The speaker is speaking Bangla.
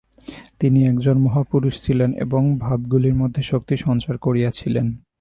তিনি একজন মহাপুরুষ ছিলেন, এবং ভাবগুলির মধ্যে শক্তি সঞ্চার করিয়াছিলেন।